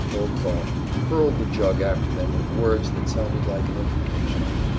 Holcroft hurled the jug after them with words that sounded like an imprecation.